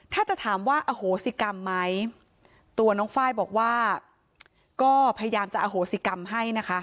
ถ้าจะถามว่าอโหสิกรรมไหมตัวน้องไฟล์บอกว่าก็พยายามจะอโหสิกรรมให้นะคะ